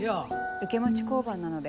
受け持ち交番なので。